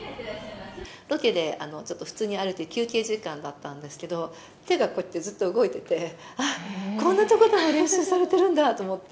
ロケでちょっと普通に歩いて、休憩時間だったんですけど、手がこうやってずっと動いてて、あっ、こんなとこでも練習されてるんだと思って。